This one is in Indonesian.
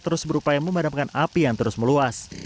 terus berupaya memadamkan api yang terus meluas